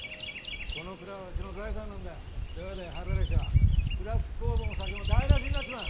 この蔵はうちの財産なんだどやどや入られちゃ蔵つき酵母も酒も台無しになっちまう。